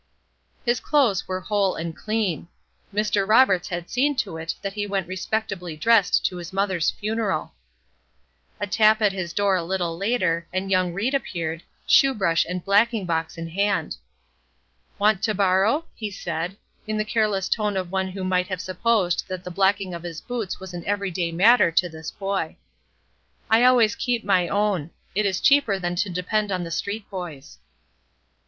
His clothes were whole and clean. Mr. Roberts had seen to it that he went respectably dressed to his mother's funeral. A tap at his door a little later, and young Ried appeared, shoe brush and blacking box in hand. "Want to borrow?" he said, in the careless tone of one who might have supposed that the blacking of his boots was an every day matter to this boy. "I always keep my own; it is cheaper than to depend on the street boys."